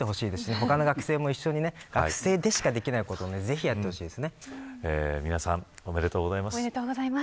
他の学生も一緒にね、学生でしかできないことを皆さんおめでとうございます。